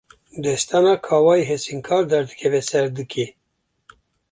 Destana Kawayê Hesinkar, derdikeve ser dikê